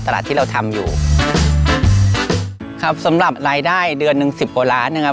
ตลาดที่เราทำอยู่ครับสำหรับรายได้เดือนหนึ่งสิบกว่าล้านนะครับ